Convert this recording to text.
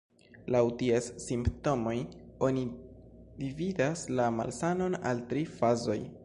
Laŭ ties simptomoj oni dividas la malsanon al tri fazoj.